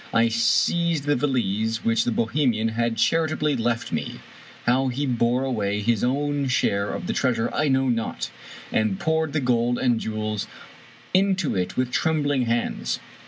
I seized the valise which the Bohemian had charitably left me — ^how he bore away his owji share of the treasure I know not — and poured the gold and jewels into it with trembling hands.